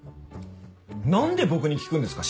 なんで僕に聞くんですか？